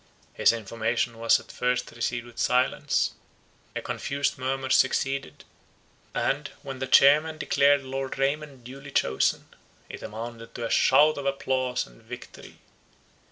His information was at first received with silence; a confused murmur succeeded; and, when the chairman declared Lord Raymond duly chosen, it amounted to a shout of applause and victory.